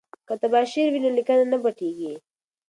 که تباشیر وي نو لیکنه نه پټیږي.